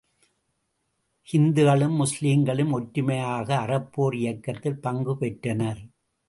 ஹிந்துக்களும், முஸ்லீம்களும் ஒற்றுமையாக அறப்போர் இயக்கத்தில் பங்கு பெற்றனர்.